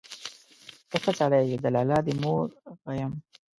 ته ښه سړى يې، د لالا دي مور غيم.